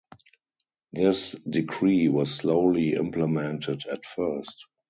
This decree was slowly implemented at first.